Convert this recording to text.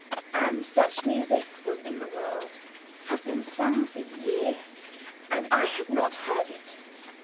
And such music was in the world, had been sung for years, and I had not heard it.